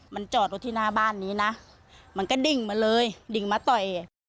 มันจอดรถที่หน้าบ้านนี้นะมันก็ดิ่งมาเลยดิ่งมาต่อย